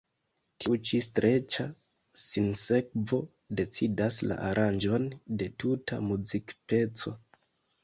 Tiu ĉi streĉa sinsekvo decidas la aranĝon de tuta muzikpeco.